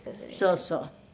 そうそう。